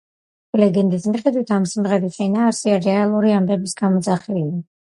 ლეგენდის მიხედვით, ამ სიმღერის შინაარსი რეალური ამბების გამოძახილია.